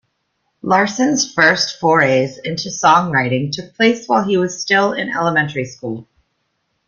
Larsen's first forays into songwriting took place while he was still in elementary school.